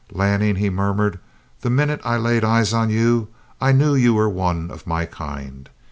"Lanning," he murmured, "the minute I laid eyes on you, I knew you were one of my kind.